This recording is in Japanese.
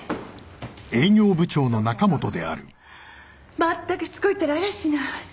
まったくしつこいったらありゃしない。